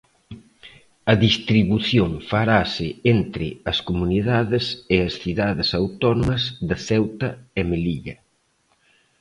A distribución farase entre as comunidades e as cidades autónomas de Ceuta e Melilla.